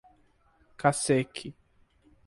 Cacequi